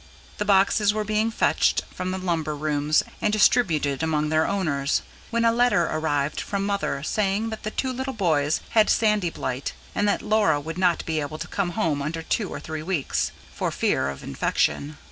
The boxes were being fetched from the lumber rooms and distributed among their owners, when a letter arrived from Mother saying that the two little boys had sandy blight, and that Laura would not be able to come home under two or three weeks, for fear of infection.